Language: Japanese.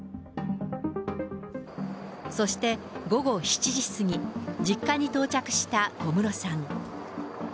そして午後７時過ぎ、実家に到着した小室さん。